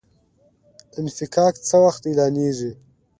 انفکاک څه وخت اعلانیږي؟